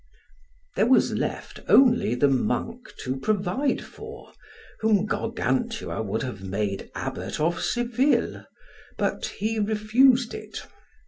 There was left only the monk to provide for, whom Gargantua would have made Abbot of Seville, but he refused it.